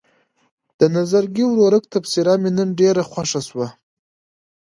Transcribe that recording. د نظرګي ورورک تبصره مې نن ډېره خوښه شوه.